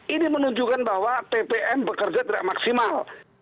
ini menunjukkan bahwa ppm bekerja tidak maksimal